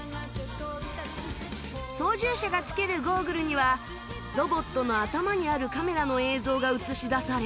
操縦者が着けるゴーグルにはロボットの頭にあるカメラの映像が映し出され